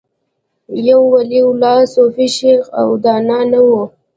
یو ولي الله، صوفي، شیخ او دانا نه و